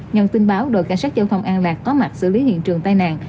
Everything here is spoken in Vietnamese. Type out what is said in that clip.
nhận tin báo đội cảnh sát giao thông an lạc có mặt xử lý hiện trường tai nạn